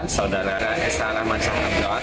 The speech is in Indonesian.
saudara saudara esra alamansyah